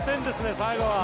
最後は。